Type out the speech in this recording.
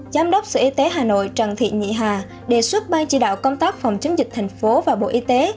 giám đốc sở y tế hà nội trần thị nhị hà đề xuất ban chỉ đạo công tác phòng chống dịch thành phố và bộ y tế